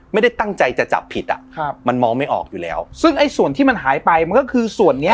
ไม่ได้ตั้งใจจะจับผิดอ่ะครับมันมองไม่ออกอยู่แล้วซึ่งไอ้ส่วนที่มันหายไปมันก็คือส่วนเนี้ย